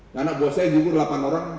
dan anak buah saya gugur delapan orang